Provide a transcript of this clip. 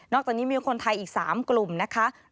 อกจากนี้มีคนไทยอีก๓กลุ่มนะคะ